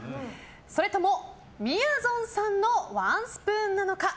それとも、みやぞんさんのワンスプーンなのか。